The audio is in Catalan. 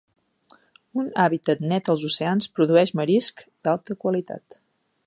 Un hàbitat net als oceans produeix marisc d'alta qualitat.